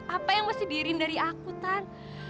apa yang mesti diirin dari aku tan